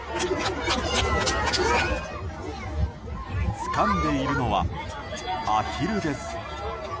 つかんでいるのはアヒルです。